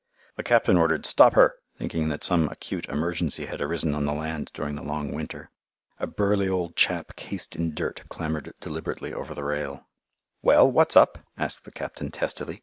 The captain ordered, "Stop her," thinking that some acute emergency had arisen on the land during the long winter. A burly old chap cased in dirt clambered deliberately over the rail. "Well, what's up?" asked the captain testily.